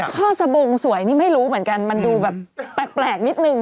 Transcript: ข้อสบงสวยนี่ไม่รู้เหมือนกันมันดูแบบแปลกนิดนึง